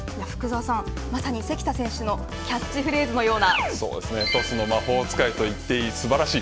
福澤さん、まさに関田選手のキャッチフレーズのような。